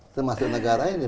termasuk negara ini